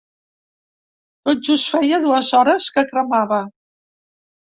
Tot just feia dues hores que cremava.